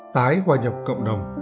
tái hoàn nhập cộng đồng